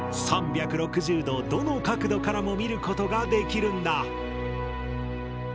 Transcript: ３６０度どの角度からも見ることができるんだ。